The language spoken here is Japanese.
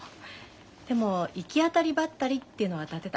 でも行き当たりばったりっていうのは当たってた。